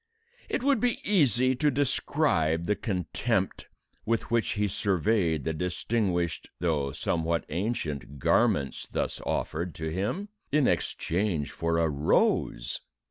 It would be easy to describe the contempt with which he surveyed the distinguished though somewhat ancient garments thus offered to him in exchange for a rose!